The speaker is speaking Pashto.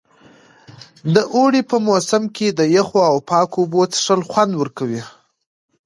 د اوړي په موسم کې د یخو او پاکو اوبو څښل خوند ورکوي.